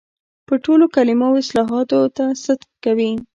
پر ټولو کلمو او اصطلاحاتو صدق کوي.